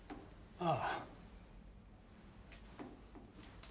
ああ。